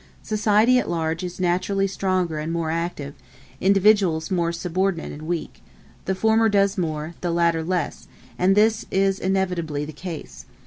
Society at large is naturally stronger and more active, individuals more subordinate and weak; the former does more, the latter less; and this is inevitably the case.